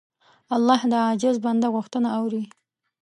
الله د عاجز بنده غوښتنه اوري.